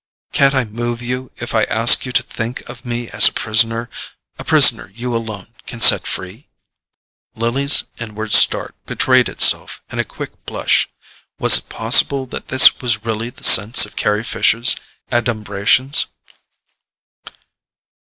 Can't I move you if I ask you to think of me as a prisoner—a prisoner you alone can set free?" Lily's inward start betrayed itself in a quick blush: was it possible that this was really the sense of Carry Fisher's adumbrations?